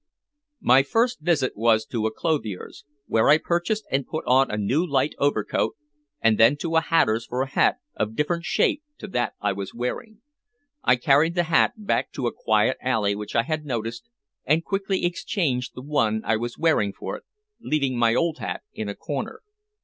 My first visit was to a clothier's, where I purchased and put on a new light overcoat and then to a hatter's for a hat of different shape to that I was wearing. I carried the hat back to a quiet alley which I had noticed, and quickly exchanged the one I was wearing for it, leaving my old hat in a corner.